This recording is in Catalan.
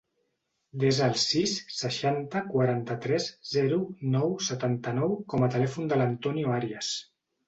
Desa el sis, seixanta, quaranta-tres, zero, nou, setanta-nou com a telèfon de l'Antonio Arias.